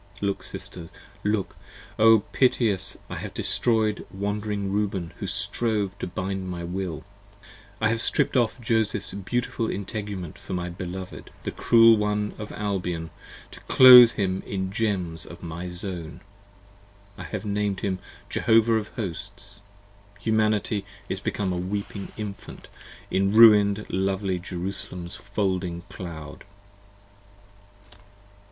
look Sisters, look! O piteous! 10 I have destroy'd Wand'ring Reuben who strove to bind my Will, I have strip'd off Joseph's beautiful integument for my Beloved, The Cruel one of Albion, to clothe him in gems of my Zone. I have named him Jehovah of Hosts. Humanity is become A weeping Infant in ruin'd lovely Jerusalem's folding Cloud!